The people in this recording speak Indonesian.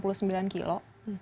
umur berapa itu